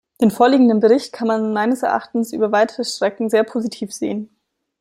Den vorliegenden Bericht kann man meines Erachtens über weite Strecken sehr positiv sehen.